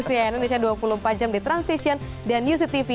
sia indonesia dua puluh empat jam di transition dan yusy tv